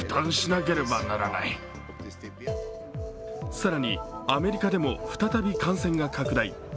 更にアメリカでも再び感染が拡大。